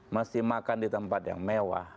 mesti makan di tempat yang mewah